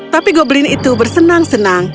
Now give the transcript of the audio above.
tapi goblin itu bersenang senang